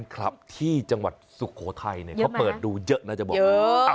คลับที่จังหวัดสุโขทัยเนี่ยเขาเปิดดูเยอะนะจะบอก